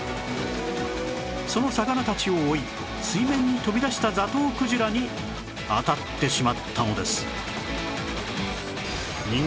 その魚たちを追い水面に飛び出したザトウクジラに当たってしまったのです